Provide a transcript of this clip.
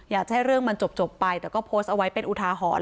อยากให้เรื่องมันจบไปแต่ก็โพสต์เอาไว้เป็นอุทาหรณ์